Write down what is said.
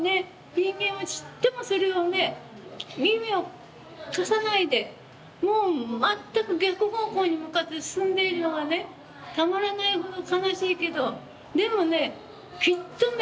人間はちっともそれをね耳を貸さないでもう全く逆方向に向かって進んでいるのがねたまらないほど悲しいけどでもねきっとね